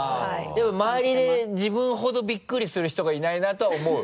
でも周りで自分ほどビックリする人がいないなとは思う？